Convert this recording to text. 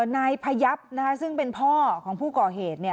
นายพยับซึ่งเป็นพ่อของผู้ก่อเหตุ